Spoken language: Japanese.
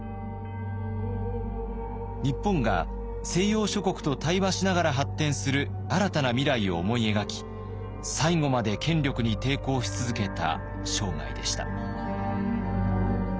日本が西洋諸国と対話しながら発展する新たな未来を思い描き最後まで権力に抵抗し続けた生涯でした。